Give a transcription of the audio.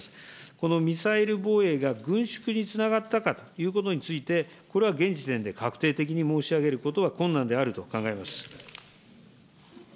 このミサイル防衛が軍縮につながったかということについて、これは現時点で確定的に申し上げることは困難であると考えます。